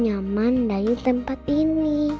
nyaman dari tempat ini